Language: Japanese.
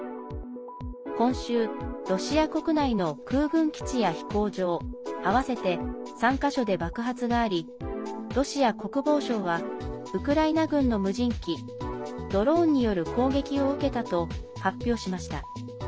今週、ロシア国内の空軍基地や飛行場合わせて３か所で爆発がありロシア国防省はウクライナ軍の無人機、ドローンによる攻撃を受けたと発表しました。